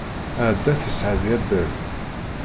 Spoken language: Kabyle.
Ɛada tesɛa-d Yabal.